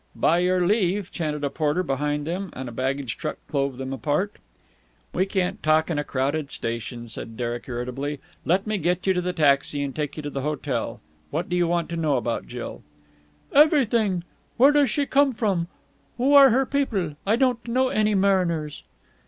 "By your leave!" chanted a porter behind them, and a baggage truck clove them apart. "We can't talk in a crowded station," said Derek irritably. "Let me get you to the taxi and take you to the hotel.... What do you want to know about Jill?" "Everything. Where does she come from? Who are her people? I don't know any Mariners."